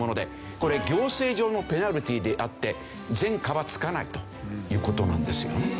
これ行政上のペナルティーであって前科はつかないという事なんですよね。